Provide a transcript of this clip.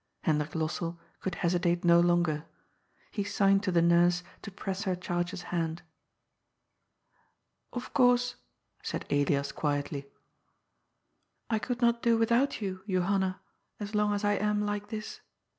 Hendrik Lossell could hesitate no longer. He signed to the nurse to press her charge's hand. " Of course," said Elias quietly, " I could not do without you, Johanna, as long as I am like this.